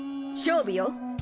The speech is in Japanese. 勝負よ